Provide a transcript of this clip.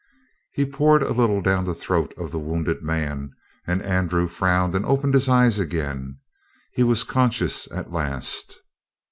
He poured a little down the throat of the wounded man, and Andrew frowned and opened his eyes again: He was conscious at last.